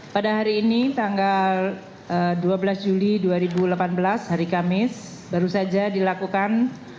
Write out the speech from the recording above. pada hari ini tanggal dua belas juli dua ribu delapan belas hari kamis baru saja dilakukan